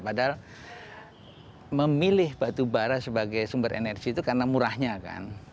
padahal memilih batubara sebagai sumber energi itu karena murahnya kan